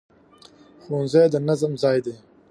ښوونځی د نظم ځای دی